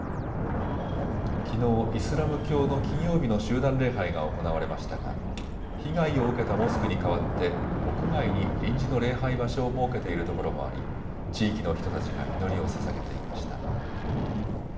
きのう、イスラム教の金曜日の集団礼拝が行われましたが被害を受けたモスクに代わって屋外に臨時の礼拝場所を設けているところもあり地域の人たちが祈りをささげていました。